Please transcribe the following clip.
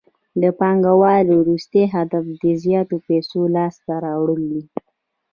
د پانګوال وروستی هدف د زیاتو پیسو لاسته راوړل دي